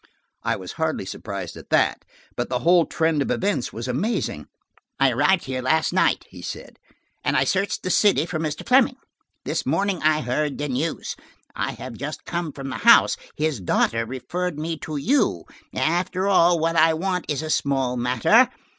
I was hardly surprised at that, but the whole trend of events was amazing. "I arrived here last night," he said, "and I searched the city for Mr. Fleming. This morning I heard the news. I have just come from the house: his daughter referred me to you. After all, what I want is a small matter.